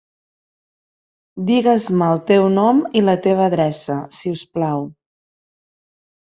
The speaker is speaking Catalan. Digues-me el teu nom i la teva adreça, si us plau.